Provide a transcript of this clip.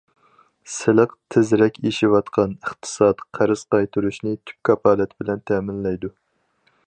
سىلىق، تېزرەك ئېشىۋاتقان ئىقتىساد قەرز قايتۇرۇشنى تۈپ كاپالەت بىلەن تەمىنلەيدۇ.